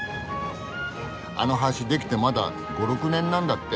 あの橋できてまだ５６年なんだって。